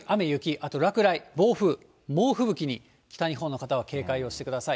あと落雷、暴風、猛吹雪に北日本の方は警戒をしてください。